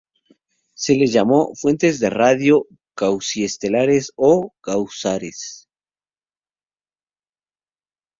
Se les llamó "Fuentes de radio cuasi-estelares", o cuásares.